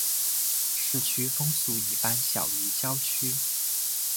市区风速一般小于郊区。